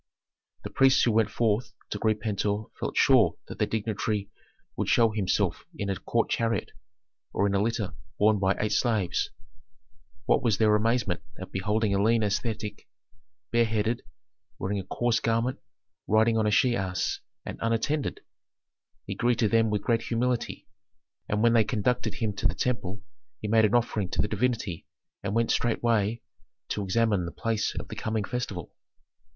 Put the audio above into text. The priests who went forth to greet Pentuer felt sure that that dignitary would show himself in a court chariot, or in a litter borne by eight slaves. What was their amazement at beholding a lean ascetic, bareheaded, wearing a coarse garment, riding on a she ass, and unattended! He greeted them with great humility, and when they conducted him to the temple he made an offering to the divinity and went straightway to examine the place of the coming festival.